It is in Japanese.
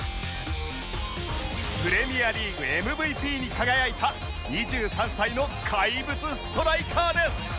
プレミアリーグ ＭＶＰ に輝いた２３歳の怪物ストライカーです